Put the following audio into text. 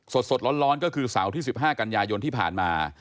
สดร้อนก็คือเสาร์ที่๑๕กันยายนที่ผ่านมา